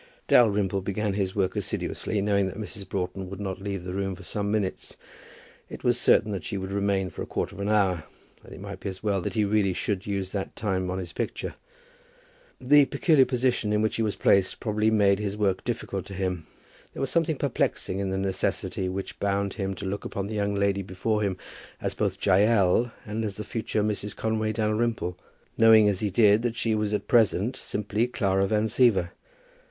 Dalrymple began his work assiduously, knowing that Mrs. Broughton would not leave the room for some minutes. It was certain that she would remain for a quarter of an hour, and it might be as well that he should really use that time on his picture. The peculiar position in which he was placed probably made his work difficult to him. There was something perplexing in the necessity which bound him to look upon the young lady before him both as Jael and as the future Mrs. Conway Dalrymple, knowing as he did that she was at present simply Clara Van Siever.